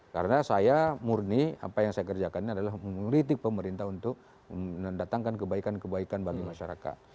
karena saya murni apa yang saya kerjakan ini adalah mengkritik pemerintah untuk mendatangkan kebaikan kebaikan bagi masyarakat